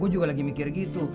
gue juga lagi mikir gitu